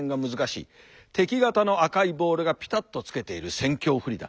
敵方の赤いボールがピタッとつけている戦況不利だ。